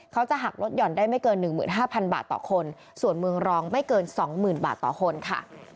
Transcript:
เขาจะหักลดห่อนได้ไม่เกิน๑๕๐๐บาทต่อคนส่วนเมืองรองไม่เกิน๒๐๐๐บาทต่อคนค่ะ